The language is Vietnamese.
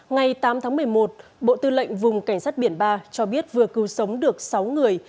ngày tám tháng một mươi một bộ tư lệnh vùng cảnh sát biển ba cho biết vừa cứu sống được sáu người